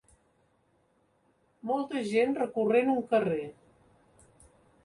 Molta gent recorrent un carrer.